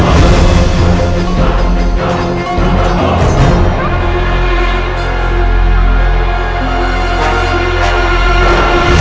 mereka akan menjadi jahat jika kitaooky